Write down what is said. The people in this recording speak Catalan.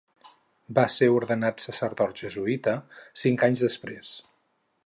Va ser ordenat sacerdot jesuïta cinc anys després.